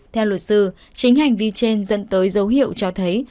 theo luật sư chính hành vi trên dẫn tới dấu hiệu cho thấy